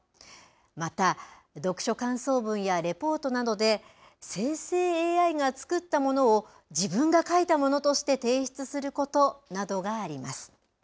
また、読書感想文やレポートなどで、生成ＡＩが作ったものを自分が書いたものとして提出することなどがあります。